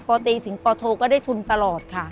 พอตีถึงปโทก็ได้ทุนตลอดค่ะ